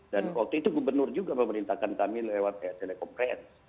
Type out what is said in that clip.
dan waktu itu gubernur juga memerintahkan kami lewat telekomunikasi